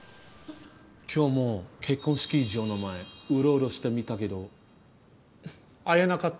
今日も結婚式場の前ウロウロしてみたけど会えなかった。